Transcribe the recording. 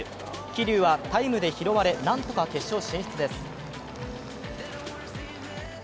桐生はタイムで拾われなんとか決勝進出です。